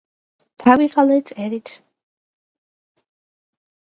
დავიღალე წერით